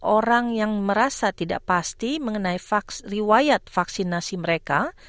orang yang merasa tidak pasti mengenai riwayat vaksinasi mereka